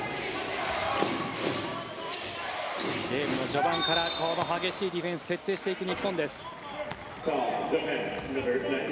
ゲームの序盤から激しいディフェンスを徹底していく日本です。